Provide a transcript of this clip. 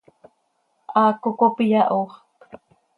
Haaco cop iyahooxp.